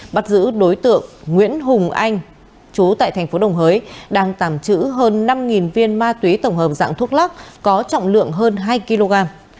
bắt giữ đối tượng nguyễn hùng anh chú tại thành phố đồng hới đang tạm trữ hơn năm viên ma túy tổng hợp dạng thuốc lắc có trọng lượng hơn hai kg